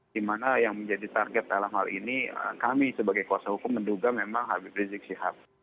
di mana yang menjadi target dalam hal ini kami sebagai kuasa hukum menduga memang hbp rizik syihab